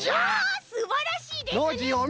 すばらしいですね！